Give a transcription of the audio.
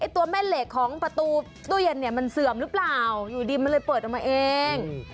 ตัวแม่เหล็กของประตูตู้เย็นเนี่ยมันเสื่อมหรือเปล่าอยู่ดีมันเลยเปิดออกมาเอง